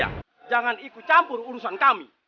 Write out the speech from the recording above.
ya jangan ikut campur urusan kami